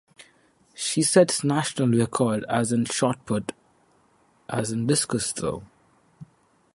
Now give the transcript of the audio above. She sets national record as in shot put as in discus throw.